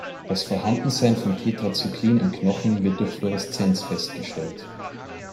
Das Vorhandensein von Tetracyclin im Knochen wird durch Fluoreszenz festgestellt.